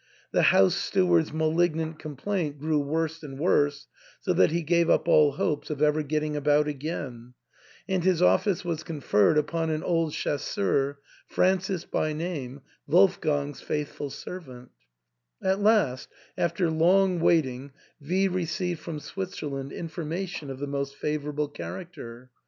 The house steward's malignant complaint grew worse and worse, so that he gave up all hopes of ever getting about again ; and his office was conferred upon an old chasseur^ Francis by name, Wolfgang's faithful servant At last, after long waiting, V received from Swit zerland information of the most favourable character.